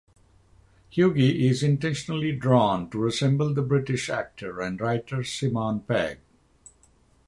Hughie is intentionally drawn to resemble the British actor and writer Simon Pegg.